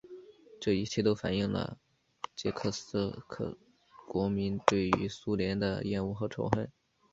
这一切都反映了捷克斯洛伐克国民对于苏联的厌恶和仇恨。